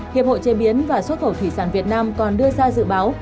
hiệp hội chế biến và xuất khẩu thủy sản việt nam còn đưa ra dự báo